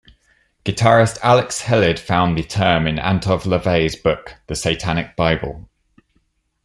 Guitarist Alex Hellid found the term in Anton LaVey's book "The Satanic Bible".